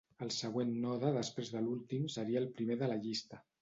El següent node després de l'últim seria el primer de la llista.